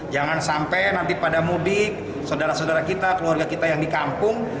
jangan sampai nanti pada mudik saudara saudara kita keluarga kita yang di kampung